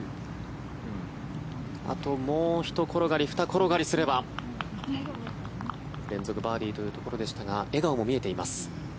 あともうひと転がりふた転がりすれば連続バーディーというところでしたが笑顔も見えています。